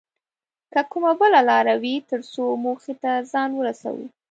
که کومه بله لاره وي تر څو موخې ته ځان ورسوو